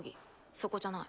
そこじゃない。